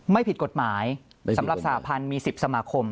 ไม่ผิดกฎหมายสำหรับสหพันธ์มี๑๐สมาคม